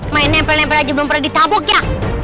main main aja belum pernah ditabuk ya